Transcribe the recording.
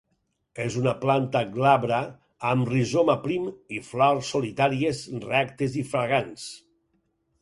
És una planta glabra amb rizoma prim i flors solitàries rectes i fragants.